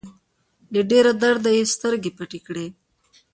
له ډېره درده يې سترګې پټې کړې.